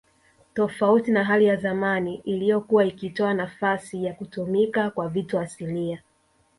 Tofauti na hali ya zamani iliyokuwa ikitoa nafasi ya kutumika kwa vitu asilia